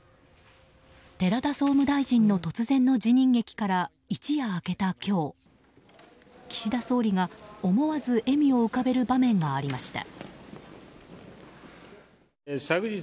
寺田総務大臣の突然の辞任劇から一夜明けた今日岸田総理が思わず笑みを浮かべる場面がありました。